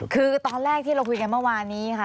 คือตอนแรกที่เราคุยกันเมื่อวานนี้ค่ะ